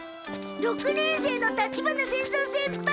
六年生の立花仙蔵先輩。